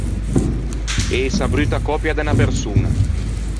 Ëse a brutta còpia de unna persoña.